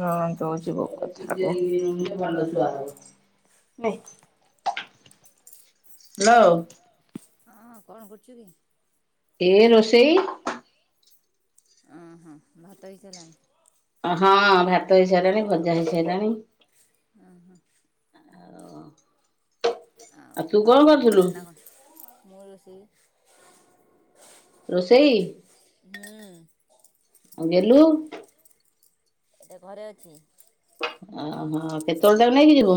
ହଁ ତ ଯିବ କଥା କ ହ୍ୟାଲୋ। ହଁ କଣ କରୁଛୁ କି? ଏ ରୋଷେଇ। ଓହୋ ଭାତ ହେଇ ସାରିଲାଣି? ହଁ ଭାତ ହେଇ ସାଇଲାଣି ଭଜା ହେଇ ସାଇଲାଣି। ଅହଂ। ଆଉ ତୁ କଣ ବାପା କୁଆଡେ କରୁଥିଲୁ ଯାଇଛନ୍ତି ନାନ ମୁଁ ରୋଷେଇ ରୋଷେଇ। ହୁଁ। ଆଉ ଗେଲୁ? ଏଟା ଘରେ ଅଛି। ଓହୋ କେତେବେଳେ ଟାକୁ ନେଇକି ଯିବୁ?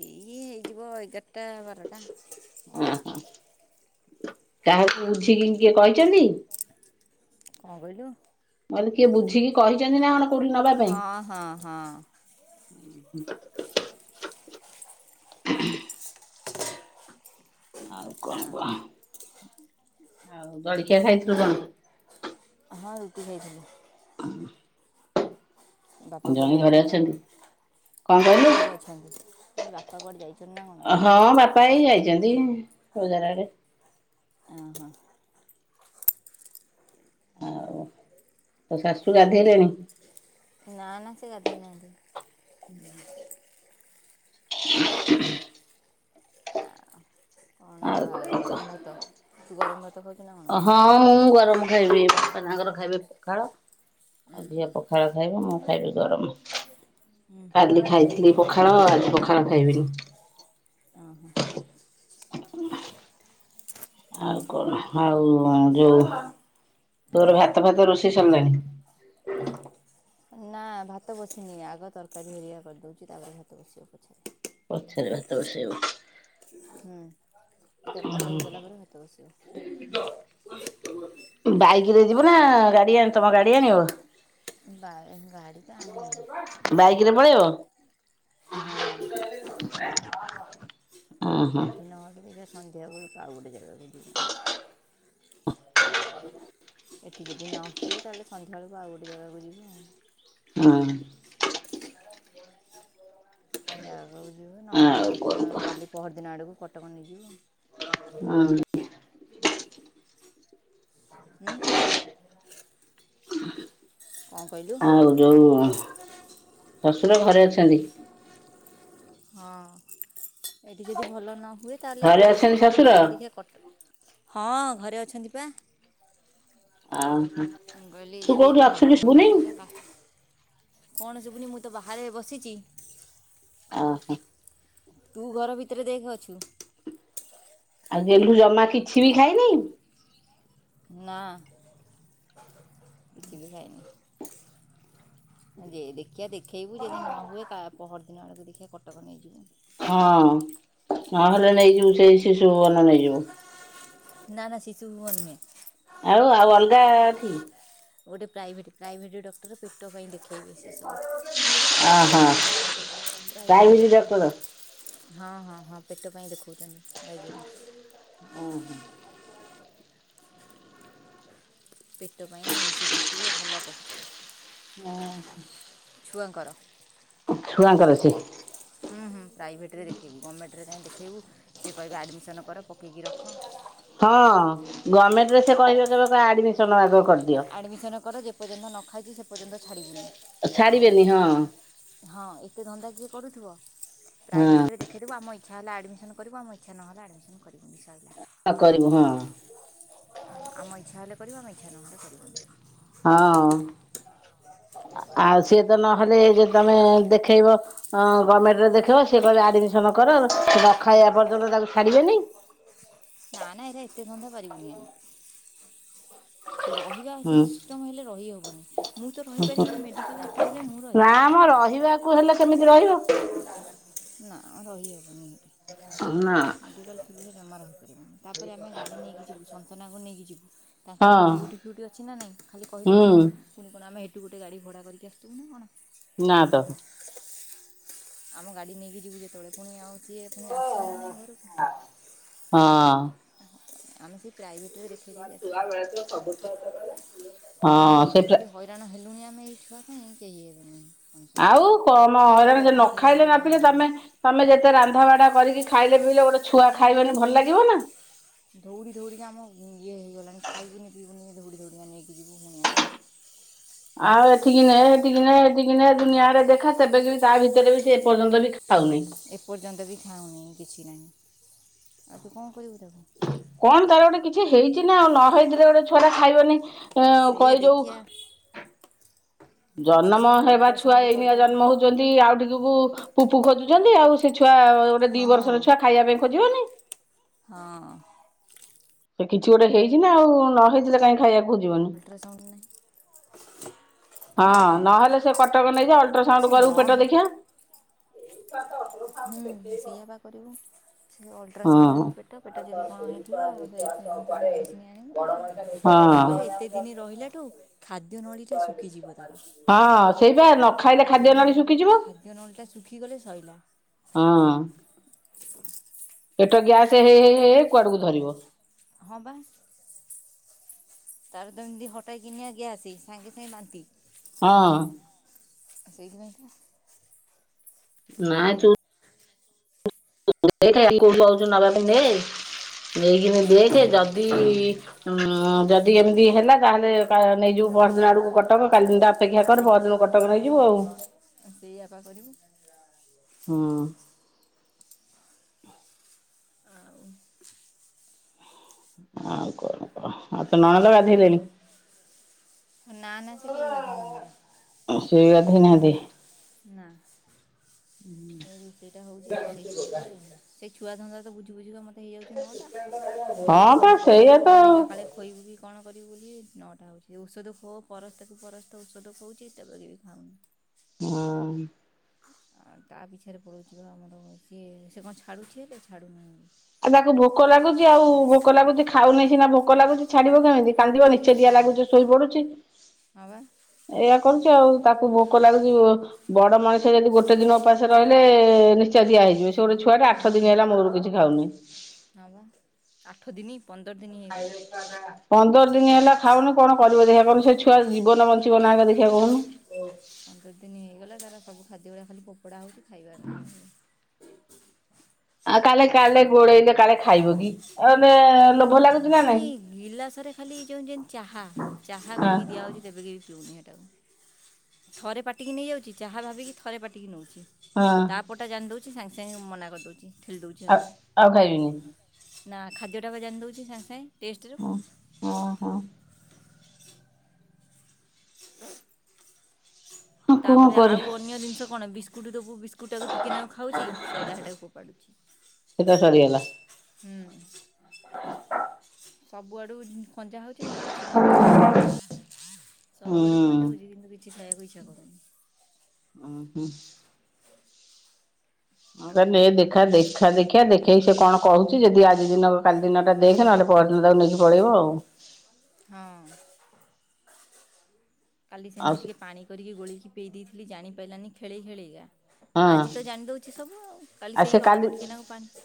ଏଇ ହେଇଯିବ ଏଗାରଟା ବାରଟା। ଓହୋ କାହାକୁ ବୁଝିକି କିଏ କହିଛନ୍ତି? କଣ କହିଲୁ? ମୁଁ କହିଲି କିଏ ବୁଝିକି କହିଛନ୍ତି ନା କଣ କୋଉଠି ନବା ପାଇଁ ହଁ ହଁ ହଁ। ଆଉ କଣ ଆଉ କଣ କହ ଆଉ ଜଳଖିଆ ଖାଇଥିଲୁ କଣ? ହଁ ରୁଟି ଖାଇଥିଲି। ହଁ। ବାପା କୁଆଡ଼େ ଯାଇଛନ୍ ନା କଣ? କଣ ହିଁ ସେ କହିଲୁ ଘରେ ଅଛନ୍ତି। ମୋ ବାପା କୁଆଡ଼େ ଯାଇଛ ନା? କଣ? ହଁ ବାପା ଏଇ ଯାଇଛନ୍ତି ବଜାର ଆଡେ। ଅହଁ। ଆଉ ତ ଶାଶୁ ଗାଧେଇଲେଣିି? ନା ନା ସେ ଗାଧେଇ ନାହାନ୍ତି। [inaudible] କଣ ଆଉ ଭା କଣ କହ ଗରମ ଭାତ ତୁ ଗରମ ଭାତ ଖାଉଛୁ ନା କଣ? ହଁ ମୁଁ ଗରମ ଖାଇବି। ତାଙ୍କର ଖାଇବି ପଖାଳ। ଆଉ ଝିଅ ପଖାଳ ଖାଇବ ମୁଁ ଖାଇବି ଗରମ। କାଲି ଖାଇଥିଲି ପଖାଳ ଆଜି ପଖାଳ ଖାଇବିନି। ହଁ। ଆଉ କଣ, ଆଉ ଯୋଉ ତୋର ଭାତ, ଫାତ ରୋଷେଇ ସରିଲାଣି? ନା ଭାତ ବସିନି, ଆଗ ତରକାରୀ ହେରିଆ କରିଦଉଛି ତାପରେ ଭାତ ବସିବ ପଛରେ। ପଛରେ ଭାତ ବସେଇବୁ। ହୁ, ଏଇ ତରକାରୀ ଟା ହେଇ ଗଲା ପରେ, ଭାତ ବସେଇବି। ବାଇକ ରେ ଯିବୁ ନା, ଗାଡି ଆଣି-ତମ ଗାଡି ଆଣିବ? ବା ଗାଡ଼ି ତ ଆଣିବି। ବାଇକିରେ ପଳେଇବ? ହଁ [inaudible] ଅ [unintelligible] ହଁ ସନ୍ଧ୍ୟା ବେଳକୁ, ଆଉ ଗୋଟେ ଜାଗାକୁ, ନେଇକି ଜି ଏଠି ଯଦି ନ ହୁଏ, ତାହେଲେ ସନ୍ଧ୍ୟାବେଳକୁ ଆଉ ଗୋଟେ ଜାଗାକୁ ଯିବୁ ଆଉ। ହଁ। ଜାଗାକୁ ଯିବୁ ନହେଲେ ଆଉ କଣ ନାହିଁ, କହ କାଲି ପହରଦିନ ଆଡ଼କୁ, କଟକ ନେଇଯିବୁ। ହଁ। ହୁଁ। କଣ କହିଲୁ? ଆଉ ଯୋଉ ଶଶୁର ଘରେ ଅଛନ୍ତି? ହଁ ଏଠି ଯଦି ଭଲ ନ ହୁଏ, ତାହେଲେ ଘରେ କାଲି ଅଛନ୍ତି ପହର ଶ୍ୱଶୁର? ଦିନ ଆଡ଼କୁ କଟକ ନେଇଯିବୁ। ହଁ ଘରେ ଅଛନ୍ତି ପା। ଆ ହଁ। ମୁଁ କହିଲି ତୁ ଯଦି କୋଉଠି ଏଠି ଭଲ ଅଛୁ କି ନ ହୁଏ ଶୁବୁନି? ତାହେଲେ କା କଣ, ଶୁଭୁନି? ମୁଁ ତ ବାହାରେ ବସିଛି। ଓହୋ। ତୁ ଘର ଭିତରେ ଦେଖ ଅଛୁ। ଆଉ ଗେଲୁ ଗେଲୁ ଜମା କିଛି ବି ଖାଇନି? ନା। କିଛି ବି ଖାଇନି। ଗେ, ଦେଖିଆ ଦେଖ ଖେଇବୁ, ଯଦି ନ ହୁଏ, ପହରଦିନ ଆଡକୁ ଦେଖି କଟକ ନେଇଯିବୁ। ହଁ, ନହେଲେ ନେଇଯିବୁ ସେଇ ଶିଶୁ ଭୁବନ, ନେଇଯିବୁ। ନା, ନା ଶିଶୁ ଭୁବନ ନୁଏ। ଆଉ, ଆଉ ଅଲଗା ଏଠି? ଗୋଟେ ପ୍ରାଇଭେଟ୍, ପ୍ରାଇଭେଟ୍ ଡକ୍ଟର ପେଟ ପାଇଁ ଦେଖେ। ଅ, ହା। Private doctor? ହଁ, ହଁ, ହଁ, ପେଟ ପାଇଁ ଦେଖାଉଛନ୍ତି ଡାଇଯ ଓ ହୋ। ପେଟ ପାଇଁ ସେ ଦେଖିଲେ ଭଲ କହୁଛନ୍ତି। ଓ ହୋ। ଛୁଆଙ୍କର। ଛୁଆଙ୍କର ସେ। ହୁଁ, ହୁଁ, ପ୍ରାଇଭେଟ୍ରରେ ଦେଖାଇବୁ। ଗମେଣ୍ଟରେ କାଇହିଁ ଦେଖାଇବୁ, ସିଏ କହିବେ ଆଡ଼ମିସନ୍ କର ପକେଇକି ରଖ। ହଁ, ଗମେଣ୍ଟ ରେ ସେ କହିବେ। କିହିବେ ଆଡମିଶନ ଆଗ କରିଦିଅ। ଆଡ଼ମିସନ୍ କର, ଯେ ପର୍ଯ୍ୟନ୍ତ ନ ଖାଇଛୁ ସେ ପର୍ଯ୍ୟନ୍ତ ଛାଡ଼ିବୁନି। ଆଉ ଛାଡିବେନି ହଁ ହଁ ଏତେ ଧନ୍ଦା କିଏ କରୁଥିବ। ହଁ ପ୍ରାଇଭେଟରେ ଦେଖାଇଦବୁ, ଆମ ଇଛା ହେଲା ଆଡ଼ମସନ୍ କରିବୁ। ଆମ ଇଚ୍ଛା ନ ହେଲା ଆଡ଼ମିସନ୍ କରି ବୁନି ସରିଲା। ହ କରିବୁ ହଁ। ହଁ ଆମ ଇଚ୍ଛା ହେଲେ କରିବୁ, ଆମେ ଇଚ୍ଛା ନହେଲେ କରିବୁନି। ହଁ। ଆଉ ସିଏ ତ ନହେଲେ, ଯେ ତମେ ଦେଖେଇବ ଗମେଣ୍ଟରେ ଦେଖେଇବ, ସେ କହିବ ଆଡମିସନ କର, ସେ ବା ନ ଖାଇବା ପର୍ଯ୍ୟନ୍ତ ତାକୁ ଛାଡିବେନି। ନା ନା, ଏରା ଏତେ ଧନ୍ଦା ପାରିବିନି। ରହିବା ହୁଁ ସିଷ୍ଟମ ହେଲେ ରହିହେବନି। ମୁଁ ତ ରହିପାରିବିନି ମେଡ଼ିକାଲ ଥ୍ରୁରେ ମୁଁ ରହିପାରିବିନି। ସତ କଥା କହିବାକୁ ହେଲେ କେମିତି ରହିବ। ନା ରହିହବନି। ହୁଁ। ମେଡ଼ିକାଲ ଖୋଲିଲେ ଜମାରୁ ରହିପାରିନି ତାପରେ ଆମେ ଗାଡ଼ି ନେଇକି ଯିବୁ ସନ୍ତାନଙ୍କ ନେଇକି ଯିବୁ ତାଙ୍କର ହଁ ପୁଣି। ଡିୁଟି ଫିୁଟି ଅଛି ନାହିଁ ଖାଲି କହିଦେଲେ ହେବ ହୁଁ ପୁଣି କଣ ଆମେଇଠୁ ଗୋଟେ ଗାଡ଼ି ଭଡ଼ା କରିକି ଆସିବୁ ନା କଣ। ନା ତ। ଆମ ଗାଡ଼ି ନେଇକି ଯିବୁ ଯେତେବେଳେ ପୁଣି ଆଉ ସିଏ ପୁଣି ଆସିବେ ନା ନହିଁ ଘରକୁ। ହଁ ଆମେ ସେ ପ୍ରାଇଭେଟ। [inaudible] ହଁ ସେଟା। ଦୁନିଆ ଏ ଏହିଇ ଛୁଆ ପାଇଁ କେହି ଏବେ ନାହିଁ। ଆଉ କମ ହଇରାଣ ନ ଖାଲି ଖାଇଲେ ନ ହଇରାଣ ପିଲେ ହେଲୁଣି ତମେ ତମେ ଯେତେ ରାନ୍ଧା ବାଢା କରିକି। ଖାଇଲେ ପିଇଲେ ଗୋଟେ ଛୁଆ ଖାଇବନି ଭଲ ଲାଗିବ ନା। ଧଉରି ଧଉରିିକି ଆମ ଇଏ ହେଇଗଲାଣି ଖାଇବୁି ପିବୁନି ଧଉଡ଼ି ଧଉଡ଼ିଆ ନେଇକି ଯିବୁ ପୁଣି ଆସିବୁ। ଆଉ ଏଠିକି ନ ଏଠିକି ନଁଠିକି ନ ଦୁନିଆରେ ଦେଖା ସେବେକି ବି ତା ଭିତରେ ବି। ସେ ପର୍ଯ୍ୟନ୍ତ ବି ଖାଉନି। ଏପର୍ଯ୍ୟନ୍ତ ବି ଖାଉନି କିଛି ନାହିଁ ଆଉ ତୁ କଣ କରିବୁ ତାକୁ। କଣ ତାର ଗୋଟେ କିଛି ହେଇଛି ନା ଆଉ ନହଇଥିଲେ ଗୋଟେ ଛଡା। ଖାଇବନି ସେଇଆ କହି ଦେଖିଆ ଯୋଉ। ଦେଖିଆ ଜନ୍ମ ହେବା ଛୁଆ ଅଲଟ୍ରାସାଉଣ୍ଡ ଏଇନଆ କରିଦେବୁ ଜନ୍ମ ହଉଛନ୍ତି ଆଉ ଟିକକୁ ପୁପୁ ଖୋଜୁଛନ୍ତି ଆଉ ସେ ଛୁଆ ଛୁଆ ଗୋଟେ ଦି ହଁ ବର୍ଷର ଛୁଆ ଖାଇବା ପାଇଁ ଖୋଜିବନି। ହଁ ସେ କିଛି ଗୋଟେ ହେଇଛି ନା ଆଉ ନ ହେଇଥିଲେ କାଇହିଁ ଖାଇବାକୁ। ଖୋଜିବନି। ଅଲଟ୍ରାସାଉଣ୍ଡ ନାହିଁ। ହଁ ନହେଲେ ସେ କଟକ ନେଇଯ ଅଲଟ୍ରାସାଉଣ୍ଡ କିଛି ନ କରିବୁ ପେଟ ହେଇ ଦେଖିିଆ। ହୁଁ ସେଇଆପା କରିବୁ। ସେ ହଁ। ଅଲଟ୍ରାସାଉଣ୍ଡ କରିବୁ ପେଟ ପେଟ ଯଦି କଣ ହେଇଥିବ ସେ ସେ ଅନଥରେ ମେଡ଼ିସିନ ଆଣିବୁ ଆ। କଣ ହଁ କହିଲି ଏତେ ଦିନ ରହିଲାଠୁ ଖାଦ୍ୟ ନଳିୀଟା ଶୁଖିଯିବ ତାର। ହଁ ସେଇବା ନ ଖାଇଲେ ଖାଦ୍ୟ ନଳୀ ଏଦିନ ହେଲାଠୁ ଶୁଖିଯିବ ଖାଦ୍ୟ ନଳ ଟା ଶୁଖିଗଲେ ସଇଲା। ହଁ। ପେଟ ଗ୍ୟାସ ହେଇ ହେଇ ହେଇ କୁଆଡକୁ ଧରିବ। ହଁ ପା। ତାର ଏମିତି ହଠାତ କିିନିଆ ଗ୍ୟସ ହେଇଚି ସାଙ୍ଗେ ସାଙ୍ଗେ ବାନ୍ତି। ହଁ। ସେଇଥି ପାଇଁ ନାଇଁ ତୁ। [inaudible] ନବାକୁ ନେଏ। ନେଇକିନି ଦେଖେ ଯଦି ଉ ଯଦି ଏମିତି ହେଲା ତାହେଲେ ତ ନେଇଯିବୁ। ପରଦିନ ଆଡକୁ କଟକ କାଲି ଦିନ ଅପେକ୍ଷା କ ପରଦିନ କଟକ ନେଇଯିବୁ ଆଉ। ସେଇଆପା କରିବୁ। ହଁ ଆଉ। ଆଉ କଣ କହ? ତୋ ନଣନ୍ଦ ଆଉ କଣ କହ ଗାଧେଇଲେଣି? ନା ନା ସେ କେହି ଗାଧେଇ ନାହାନ୍ତି। ଦେଇନାହାନ୍ତି। ନା ଏଇ ରୋଷେଇଟା ହଉଛି ରୋଷେଇ ସଇଲେ ଆଉ ଛୁଆ ଧନ୍ଦା ତ ବୁଝି ବୁଝିକା ମୋ ହେଇଯାଉଛି ନଅଟା। ହଁ ତାକୁ ମୁ ପା ସେଇଆ ପହଲେଇ ତ ଆଉ ପହଲେଇକା କାଳେ ଖୋଇବୁ କି କଣ କରିବୁ ବୋଲି ନଅଟା ହଉଛି ଔଷଧ ଖୋ ପରସ୍ତ କୁ ପରସ୍ତ ଔଷଧ ଖଉଛି ସେତକ ବି ଖାଉନି। ହଁ। ଆ ତା ପିଛରେ ପଳାଉଛିିବ ଆମର ସିଏ ସେ କଣ ଛାଡ଼ୁଛି ହେଲେ ଛାଡ଼ୁନାହିଁ। ଆଉ ତାକୁ ଭୋକ ଲାଗୁଛି ଆଉ ଭୋକ ଲାଗୁଛି ଖାଉନିଁ ସିନା ଭୋକ ଲାଗୁଛି ଛାଡିବ କେମିତି। କାନ୍ଦିବା ନିଚେ ଦିଆ ଛାଡ଼ୁନି ଲାଗୁଛି ଶୋଇ ପଡୁଛି ହଁ ବା ଏଇଆ କରୁ ଆଉ ତାକୁ ଭୋକ ଲାଗୁଛି ବଡ ମଣିଷ ଯଦି ଗୋଟେ ଦିନ ଉପାସ ରହି ହେଲେ ନିଶ୍ଚଦିଆ ହେଇଯିବ ସେ ଗୋଟେ ଛୁଆଟେ ଆଠ ଦିନ ହୁଁ ହେଲା ମୂଳରୁ କିଛି ଖାଉନି। ହଁ ବା, ଆଠ ଦିନି ପନ୍ଦର ଦିନ ହେଲା ଖାଉନୁ କଣ? କରିବ ଦେଖିବାକୁ କହୁନୁ ସେ ଛୁଆ ଜୀବନ ବଞ୍ଚିବ ନା ଦେଖିବା କହୁନୁ। ପନ୍ଦର ଦିନ ହେଇଗଲା ତାର ସବୁ ଖାଦ୍ୟ ରା଼ ଖାଲି ଫୋପଡ଼ା ହଉଛି ଖାଇବାର ନାହିଁ। ଆଉ କାଳେ କାଳେ ଗୋଳେଇଲେ କାଳେ ଖାଇବ କି ଅନେ ପୁଣି ଗିଲାସ ରେ ଖାଲି ଯୋଉ ଯେ ଚାହା, ଚାହା ହଁ କରିକି ଦିଆହଉଛି ତେବେ କେରି ପିଉନି ଥରେ ପାଟିକି ନେଇଯାଉଛି ଚାହା ଭାବିକି ଥରେ ପାଟିକି ନେଉଛି। ଛି ହଁ ତାପଟା ଜାଣିଦେଉଛି ସାଙ୍ଗେ ସାଙ୍ଗେ ମନା କରିଦେଉଛି। ଠେଲି ଦେଉଛି ଆଉ ଆଉ ଖାଇବିନି ହାତକୁ ନା ଖାଦ୍ୟଟା ବା ଜାଣି ଦେଉଛି ସାଙ୍ଗେ ସାଙ୍ଗେ। ଟେଷ୍ଟରୁ ହଁ ଓହୋ। ହ ହଁ କଣ ତାପରେ ଆଉ କରିବ ଅନ୍ୟ ଜିନିଷ କଣ ବିସ୍କୁଟ ଦବୁ। ବିସ୍କୁଟାକୁ ଟିକଏ ନାକୁ ଖାଉଛି ସାଇଲା ହେଟାକୁ ଫୋପାଡ଼ୁଛି। ସେଟା ସରିଗଲା ହୁଁ ସବୁଆଡୁ ଖଞ୍ଜା ହଉଛି କିନ୍ତୁ କିଛିଟା ଖାଉନି, ହୁଁ। ସବୁଆଡୁ ଖଞ୍ଜା ହଉଛି କିନ୍ତୁ କିଛି ଖାଇଆକୁ ଇଛା କରୁନି। ଉଁ ହୁଁ। ଆଉ ଖାଇବା ଦେଖା ପାଇଁ ଦେଖା ଦେଖିଆ ଦେଖେଇି ସେ କଣ କହୁଛି ଯଦି ଆଜି ଦିନ କାଲି ଦିନ ଟା ଦେଖ ନହେଲେ ତୁ ତାକୁ ନେଇକି ପଳେଇବ ଆଉ ହଁ କାଲି ଆଉ ସେମିତି ସେ ଟିକେ ପାଣି କରିକି ଗୋଳି ପେଇ ଦେଇଥିଲି, ଜାଣି ପାରିଲାନି, ଖେଳେଇ, ଖେଳେ ଇକା ହଁ ଆଜି ତ ଜାଣି ଦଉଛି ସବୁ କାଲି ଆଉ ସେ ସେଇ ହଳପଟିକିନାକୁ ପାଣି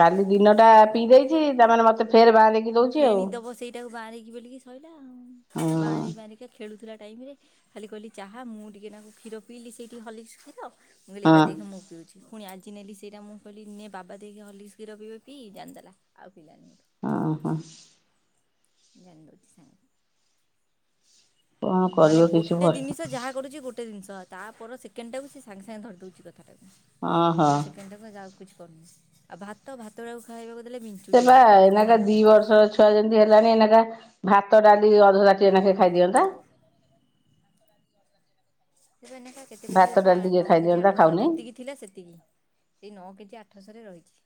କାଲି ଦିନଟା ପିଇ ଦେଇଛି ତାମାନେ ମତେ ଫେର ବାଆଁରା ହେଇକି ଫେଣି ଦବ ସେଇଟାକୁ ବାରିକି ବୋଲିକି ସୋଇଲା ଆଉ ହଁ ବାରି ବାରିକା ଖେଳୁଥିଲା। ଟାଇମ୍ ରେ ଖାଲି କହିଲି ଚାହା ମୁଁ ଟିକିଏ ନକୁ କ୍ଷୀର ପିଇଲି ସେ ଟିକିଏ ହଲିକ୍ସି ପିଇଦବ। ମୁ କହିଲି ହଁ ଏଇଟା ଦେଖେ ମୁଁ ପିଉଛି। ପୁଣି ଆଜି ନେଲି ସେଇଟା ମୁଁ କହିଲି ନି ବାବା ଦେଇକି ହଲିସ୍କ୍ କ୍ଷୀର ପି ଜାଣିଦେଲା ଆଉ ପିଲାନି। ହଁ ହଁ। ଜାଣିଦଉଚି ସା। କଣ ମାନେ କରିବ କିଛି ଗୋଟେ ଭଲ ଜିନିଷ ଯାହା କରୁଛି ଗୋଟେ ଜିନିଷ ତାପର ସେକେଣ୍ଡ ଟାକୁ ସେ ସାଙ୍ଗେ ସାଙ୍ଗେ ଧରି ଦଉଛି। ହଁ ହଁ ସେଇ ସେକେଣ୍ଡ କୁ ଯାହା ଆଉ କିଛି କରୁନି ଆଉ ଭାତ ଭାତ ଟା କୁ ଖାଇବାକୁ ଦେଲେ ସେ ବିଞ୍ଚୁଛି ଖାଲି ଏଇନୁକା ଯେମିତି ଏଇନା ଧାନ ବର୍ଷର ଛୁଆ ଯେମିତି ହେଲାଣି ଏଇନା ବା ଭାତ ଡାଲି ଅଧତାଟିଏ ନେଖା ଖାଇଦିଅନ୍ତା। [unintelligible] ସେ କେତେ କେଜି ଭାତ ଅଛି ଡାଲି ଟିକେ ନଅ କେଜି ଖାଇଦିଅନ୍ତା ଆଠଶହ ଖାଉନି ଯେତିକି ଥିଲା ସେତିକି। ଏଇ ନଅ କେଜି ଆଠଶରେ ରହିଚି।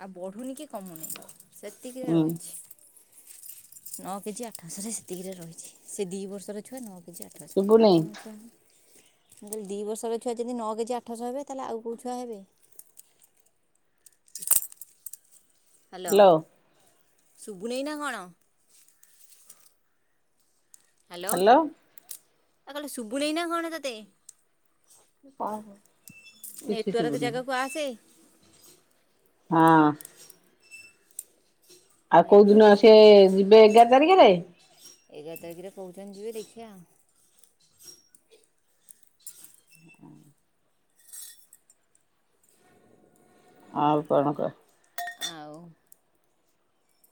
ଆଉ ବଢୁନି କି କମୁନି ସେତିକିରେ ହୁଁ ରହିଚି। ନଅ କେଜି ଆଠଶରେ ସେତିକିରେ ରହିଛି ସେ ଦି ବର୍ଷର ଛୁଆ ନଅ କେଜି ଆଠ ଆଉ ଶୁଭୁନି କଣ ଥିବା ମୁଁ କହିଲି ଦି ବର୍ଷର ଛୁଆ ଯଦି ନଅ କେଜି ଆଠଶ ହେବେ ତାହେଲେ ଆଉ କୋଉ ଛୁଆ ହେବେ। ଲ। ସୁବୁନେଇ ନା କଣ? ହାଲୋ। ଆ କହିଲି ଶୁବୁନେଇନା କଣ ତତେ? କହ। ନେଟୱାର୍କ ଜାଗାକୁ ଆସେ। ହଁ। ଆଉ କୋଉଦିନ ନେଟୱାର୍କ ଆ ସେ ଜାଗାକୁ ଯିବେ ଏଗାର ତାରିଖରେ। ଏଗାର ତାରିଖରେ କହୁଛନ୍ତି ଯିବେ ଦେଖିବା ଆଉ। ହୁଁ। ଆଉ କଣ କହ? ଆଉ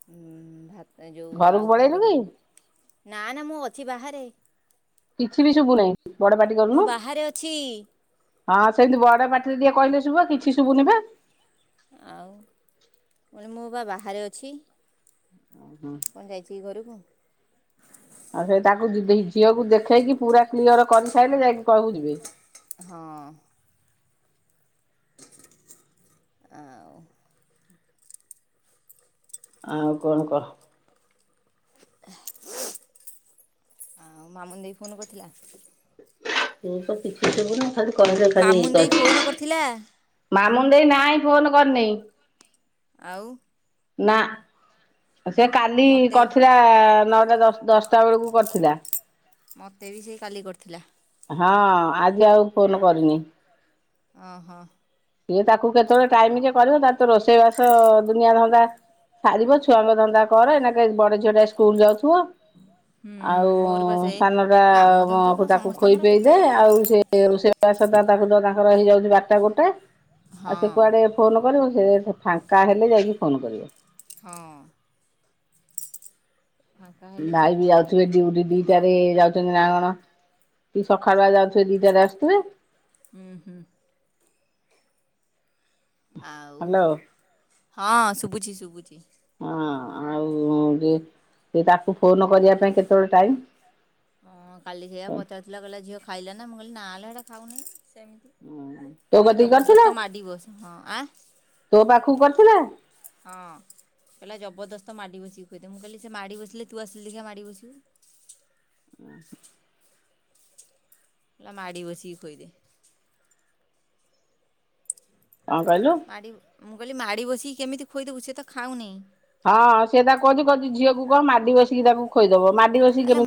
ଭାତ୍ ଯୋଉ ଘରକୁ ଆଉ କଣ ପଳେଇଲୁ କି କରିବୁ ନା ନା ମୁଁ ଅଛି ବାହାରେ। କିଛି ବି ଶୁଭୁନାହିଁ ବଡ ପାଟି ମୁଁ କରୁନୁ ବାହାରେ ଅଛି ହଁ ସେମତି ବଡ ପାଟି ଟି କହିଲେ ଶୁବିବ କିଛି ଶୁବୁନି ବା। ଆଉ କହିଲି ମୁଁ ବା ବାହାରେ ଅଛି। କଣ ଯାଇଚି ଘରକୁ? ଆଉ ସେ ତାକୁ ଝିଅକୁ ଦେଖେଇକି ପୁରା କ୍ଲିଅର କରି ସାରିଲେ ଯାଇକି କହିବୁ ଯିବେ। ହଁ। ଆଉ। ଆଉ କଣ କହ୍। ଆଉ ମାମୁନ ଦେଇ ଫୋନ୍ କରିଥିଲା। ସେ ତ କିଛି ଦେବୁ ନା ଖାଲି କରଜ ଖାଲି ମାମୁନି କ ଦେଇ ଫୋନ୍ କରିଥିଲା ମାମୁନ ଦେଇ ନାଇଁ ଫୋନ କରିନେଇ। ଆଉ। ନା ସେ କାଲି ମୋତେ କରିଥିଲା ନଅ ଦଶଟା ବେଳକୁ କରିଥିଲା। ମତେ ବି ସେଇ କାଲି କରିଥିଲା। ହଁ ଆଜି ଆଉ ଫୋନ କରିନି। ଓ ହୋ। ସିଏ ତାକୁ କେତେବେଳେ ଟାଇମ ଯେ କରିବ ତା ତ ରୋଷେଇବାସ ଦୁନିଆ ଧନ୍ଦା ସାରିବ ଛୁଆଙ୍କ ଧନ୍ଦା କର ଏଇନାକେ ବଡ ଝିଅ ଟା ସ୍କୁଲ ଯାଉଥିବ। ହୁଁ ଆଉ ମୋର ବା ସେ ସାନ କାମଧନ୍ଦା ତ ଟା ତାକୁ ଖୋଇ ସମସ୍ତଙ୍କର ପେଇ ଦେ କେତେବେଳେ କାହାର ଆଉ କ'ଣ ସେ ହେଉଛି ରୋଷେଇ ବାସ ତା ତାଙ୍କର ହେଇଯାଉଛି ବାରଟା ଗୋଟେ ଆଉ ସେ ହଁ କୁଆଡେ ଫୋନ କରବ ସେ ଫାଙ୍କା ହେଲେ ଯାଇକି ଫୋନ୍ କରିବ। ହଁ। ଫାଙ୍କା ହେଲେ ଯିଏ ଭାଇ ବି ଫୋନ୍ ଯାଉଥିବେ କରିବ ଡଉଟି ଦିଟାରେ ଯାଉଚନ୍ତି ନା କଣ କି ସଖାଳୁଆ ଯାଉ ସେ ଦିଟା ରେ ଆସୁଥିବେ। ଉୁଁ ହୁଁ ଆଉ ହ୍ୟାଲୋ ହଁ ଶୁଭୁଛି ଶୁଭୁଛି। ହଁ ଆଉ ଟି ସେ ତାକୁ ଫୋନ କରିବା ପାଇଁ କେତେବେଳେ ଟାଇମ। ହଁ କାଲି ସେଇଆ ପଚାରୁଥିଲା କହିଲା ଝିଅ ଖାଇଲା ନା ମୁଁ କହିଲି ନା ଲ ହେଟା ଖାଉନି। ସେମିତି ତୋ କଲା କତିକି କରିଥିଲା ଜବରଦସ୍ତ ମାଡ଼ିବସ ହଁ ଆ ତୋ ପାଖକୁ କରିଥିଲା। ହଁ। କହିଲା ଜବରଦସ୍ତ ମାଡ଼ି ବସିକି ଖୁଏଇଦେ ମୁଁ କହିଲି ସେ ମାଡ଼ି ବସିଲେ ତୁ ଆସିଲୁ ଦେଖିଆ ମାଡ଼ି ବସିବୁ। [inaudible] ଲା ମାଡି ବସିକି ଖୋଇଦେ। କଁ କହିଲୁ? ମାଡ଼ି ମୁଁ କହିଲି ମାଡ଼ି ବସିକି କେମିତି ଖୋଇଦବୁ? ସିଏ ତ ଖାଉନି। ହଁ ସେ ତାକୁ କହୁଛି କହୁଛି ଝିଅକୁ କହ ମାଡି ବସିକି ତାକୁ ଖୋଇଦବ ମାଡି ବସିକି ଆଲୋ କେମି